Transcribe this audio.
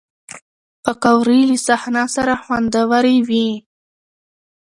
پکورې له صحنه سره خوندورې وي